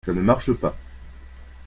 Ça ne marche pas.